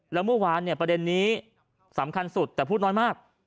แล้วเมื่อวานเนี่ยประเด็นนี้สำคัญสุดแต่พูดน้อยมาก